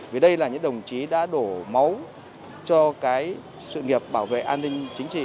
vì đây là những đồng chí đã đổ máu cho cái sự nghiệp bảo vệ an ninh chính trị